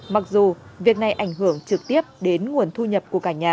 mặc dù việc này ảnh hưởng trực tiếp đến nguồn thu nhập